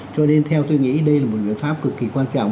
cho nên theo tôi nghĩ đây là một biện pháp cực kỳ quan trọng